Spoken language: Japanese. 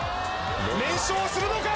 連勝するのか？